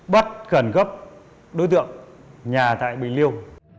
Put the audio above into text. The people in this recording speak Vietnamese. bắt khẩn cấp đối tượng nhà tại bình liêu